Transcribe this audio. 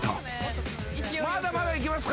まだまだ行きますか？